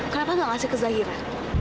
kenapa gak ngasih ke zahiran